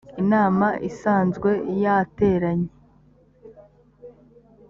inama isanzwe yateranye